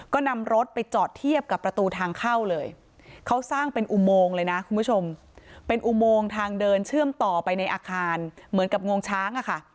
ก็นำรถไปจอดเทียบกับประตูทางเข้าเลยเขาสร้างเป็นอุโมงเลยนะคุณผู้ชมเป็นอุโมงทางเดินเชื่อมต่อไปในอาคารเหมือนกับงวงช้างอะค่ะ